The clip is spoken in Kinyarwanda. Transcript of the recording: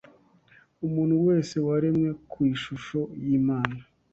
Umuntu wese waremwe ku ishusho y’Imana